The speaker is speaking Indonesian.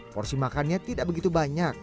porsi makannya tidak begitu banyak